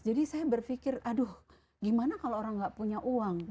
jadi saya berfikir aduh gimana kalo orang gak punya uang